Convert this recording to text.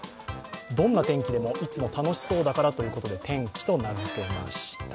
どんな天気でも、いつも楽しそうだからということで天気と名づけました。